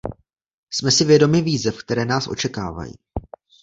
Jsme si vědomi výzev, které nás očekávají.